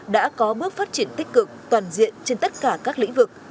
đã có bước phát triển tích cực toàn diện trên tất cả các lĩnh vực